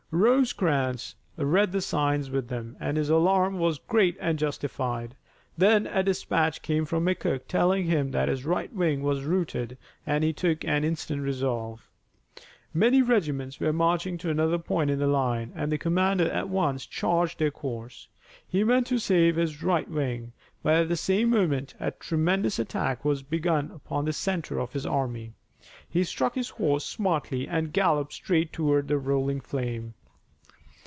Rosecrans read the signs with them and his alarm was great and justified. Then a dispatch came from McCook telling him that his right wing was routed and he took an instant resolve. Many regiments were marching to another point in the line, and the commander at once changed their course. He meant to save his right wing, but at the same moment a tremendous attack was begun upon the center of his army. He struck his horse smartly and galloped straight toward the rolling flame.